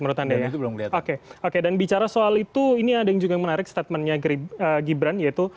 menurut anda ya itu belum lihat oke oke dan bicara soal itu ini ada yang juga menarik statementnya gibran yaitu